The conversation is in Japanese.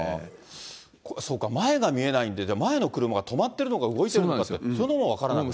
そうか、前が見えないんで、前の車が止まってるのか、動いてるのかって、それも分からない。